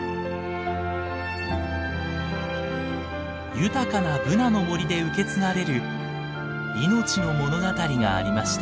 豊かなブナの森で受け継がれる命の物語がありました。